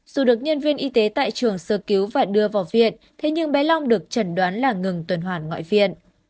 dù được nhân viên y tế tại trường sơ cứu và đưa vào viện thế nhưng bé long được chẩn đoán là ngừng tuần hoàn ngoại viện